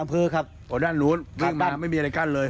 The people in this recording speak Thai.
ตรงด้านนู้นขึ้นมาไม่มีอะไรกั้นเลย